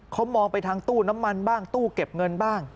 เขามองไปทางตู้น้ำมันบ้างตู้เก็บเงินบ้าง